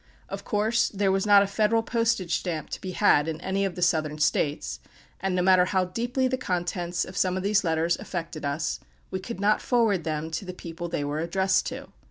Of course there was not a Federal postage stamp to be had in any of the Southern States; and no matter how deeply the contents of some of these letters affected us, we could not forward them to the people they were addressed to.